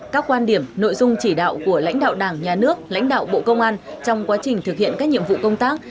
các quan điểm nội dung chỉ đạo của lãnh đạo đảng nhà nước lãnh đạo bộ công an trong quá trình thực hiện các nhiệm vụ công tác